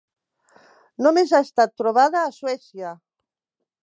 Només ha estat trobada a Suècia.